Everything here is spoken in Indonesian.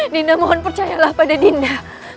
dinda mohon percayalah pada dinda